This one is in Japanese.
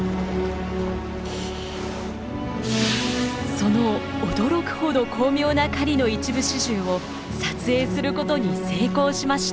その驚くほど巧妙な狩りの一部始終を撮影することに成功しました！